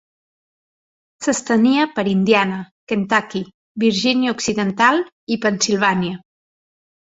S'estenia per Indiana, Kentucky, Virgínia Occidental i Pennsilvània.